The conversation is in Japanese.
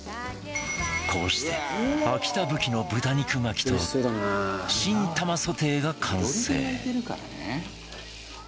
こうしてアキタブキの豚肉巻きと新玉ソテーが完成